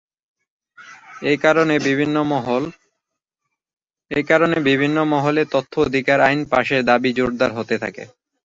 এ কারণে বিভিন্ন মহলে তথ্য অধিকার আইন পাশের দাবি জোরদার হতে থাকে।